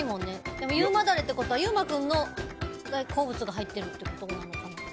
でも優馬ダレってことは優馬君の好物が入ってるってことなのかな。